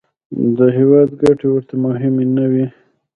د هېواد ګټې ورته مهمې نه وې.